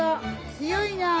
強いなあ。